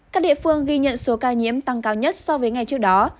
các địa phương ghi nhận số ca nhiễm tăng cao nhất so với ngày trước đó